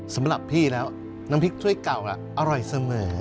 สำหรับพี่แล้วน้ำพริกถ้วยเก่าอร่อยเสมอ